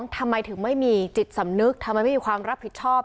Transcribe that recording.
ทำไมถึงไม่มีจิตสำนึกทำไมไม่มีความรับผิดชอบ